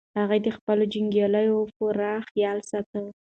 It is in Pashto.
هغه د خپلو جنګیالیو پوره خیال ساته.